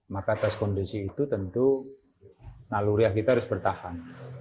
maka atas kondisi itu tentu naluriah kita harus bertahan